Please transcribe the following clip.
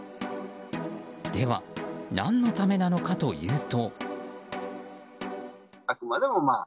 では、何のためなのかというと。